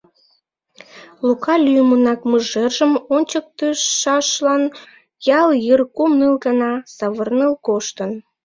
Лука лӱмынак мыжержым ончыктышашлан ял йыр кум-ныл гана савырныл коштын.